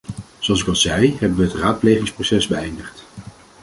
Zoals ik al zei, hebben we het raadplegingsproces beëindigd.